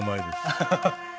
アハハハ。